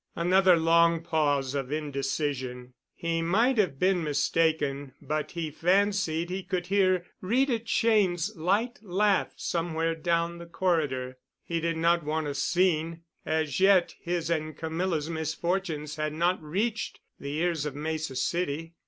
Another long pause of indecision. He might have been mistaken, but he fancied he could hear Rita Cheyne's light laugh somewhere down the corridor. He did not want a scene—as yet his and Camilla's misfortunes had not reached the ears of Mesa City.